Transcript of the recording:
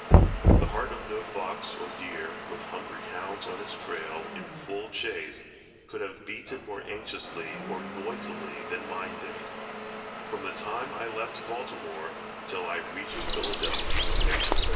The heart of no fox or deer, with hungry hounds on his trail, in full chase, could have beaten more anxiously or noisily than did mine, from the time I left Baltimore till I reached Philadelphia.